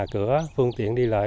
cửa phương tiện đi lại